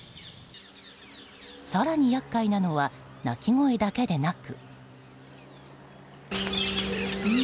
更に厄介なのは鳴き声だけでなく。